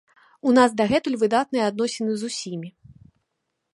У нас дагэтуль выдатныя адносіны з усімі.